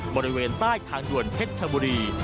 บริเวณใต้ทางด่วนเพชรชบุรี